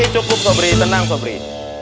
cukup sobri tenang sobri